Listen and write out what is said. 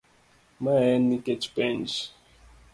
Mae en nikech penj